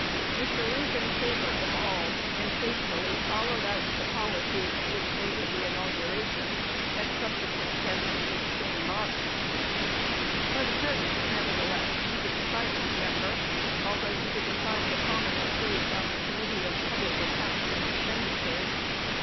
Mr. Lincoln favored them all, and faithfully followed out the policy of which they were the inauguration at subsequent sessions of the same body. For the present, nevertheless, he was a silent member, although he was assigned a prominent place on the Committee on Public Accounts and Expenditures.